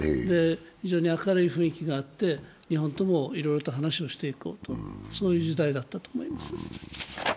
非常に明るい雰囲気があって日本ともいろいろ話をしていこうという時代だったと思います。